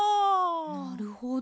なるほど。